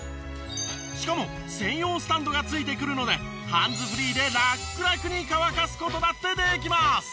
しかも専用スタンドが付いてくるのでハンズフリーでラックラクに乾かす事だってできます！